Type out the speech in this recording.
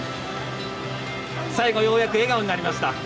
最後ようやく笑顔になりました。